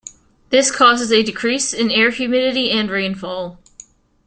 This causes a decrease in air humidity and rainfall.